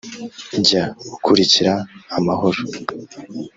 jya ukurikira amahoro